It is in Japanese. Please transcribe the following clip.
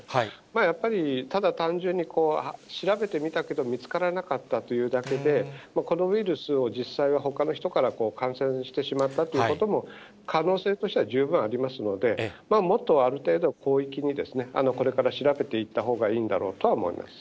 やっぱりただ単純に調べてみたけど見つからなかったというだけで、このウイルスを実際はほかの人から感染してしまったということも、可能性としては十分ありますので、もっとある程度、広域に、これから調べていったほうがいいんだろうとは思います。